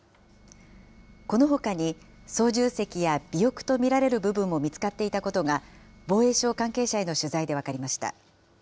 このほかに操縦席や尾翼と見られる部分も見つかっていたことが、防衛省関係者への取材で分かりました。